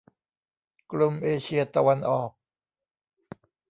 กรมเอเชียตะวันออก